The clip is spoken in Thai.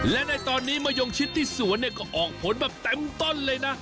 และในตอนนี้มะยงชิดที่สวนเนี่ยก็ออกผลแบบเต็มต้นเลยนะ